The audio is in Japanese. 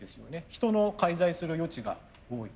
人の介在する余地が多い。